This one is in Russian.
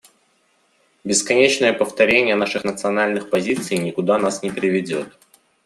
Бесконечное повторение наших национальных позиций никуда нас не приведет.